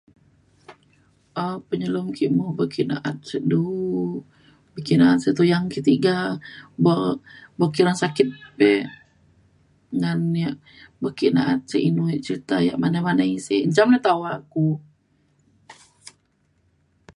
um penyelum ke mu ban ke na'at sik du ba ke na'at tuyang ke' tiga bo, bok ke rasa sakit ek ngan ya' be ke na'at sik inu cerita ya' manai manai sik, njam lu tawe ku.